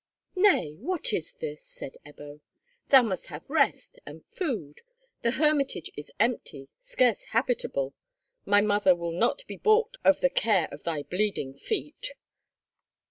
"Nay, what is this?" said Ebbo; "thou must have rest and food. The hermitage is empty, scarce habitable. My mother will not be balked of the care of thy bleeding feet."